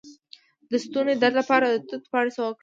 د ستوني درد لپاره د توت پاڼې څه کړم؟